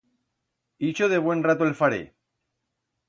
Ixo de buen rato el faré.